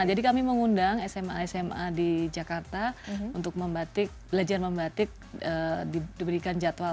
jadi kami mengundang sma sma di jakarta untuk membatik belajar membatik diberikan jadwal